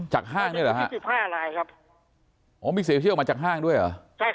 จากห้างนี่หรือครับอ๋อมีเสียชีวิตออกมาจากห้างด้วยหรอ